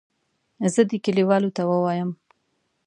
زه دې کلیوالو ته ووایم.